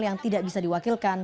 yang tidak bisa diwakilkan